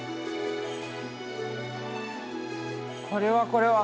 これはこれは。